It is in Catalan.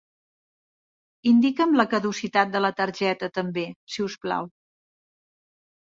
Indica'm la caducitat de la targeta també, si us plau.